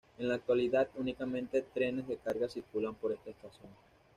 En la actualidad, únicamente trenes de Carga circulan por esta estación.